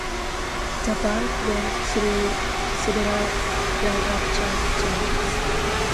The band went through several lineup changes.